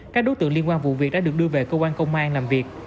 các đối tượng liên quan vụ việc đã được đưa về cơ quan công an làm việc